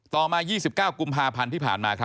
ต่อมา๒๙กุมภาพันธ์ที่ผ่านมา